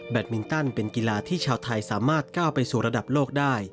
มินตันเป็นกีฬาที่ชาวไทยสามารถก้าวไปสู่ระดับโลกได้